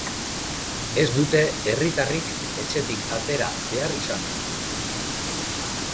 Ez dute herritarrik etxetik atera behar izan.